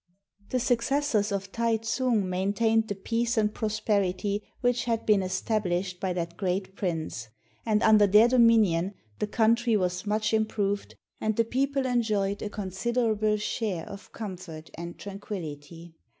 The succes sors of Tai tsung maintained the peace and prosperity which had been estabhshed by that great prince; and under their dominion the country was much improved and the people enjoyed a considerable share of comfort and tranquillity.